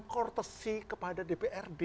akortesi kepada dprd